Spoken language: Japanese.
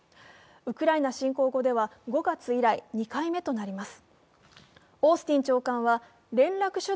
ウクライナ侵攻後では５月以来、２回目となります。